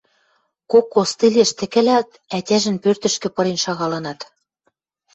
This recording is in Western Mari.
кок костылеш тӹкӹлӓлт, ӓтяжӹн пӧртӹшкӹ пырен шагалынат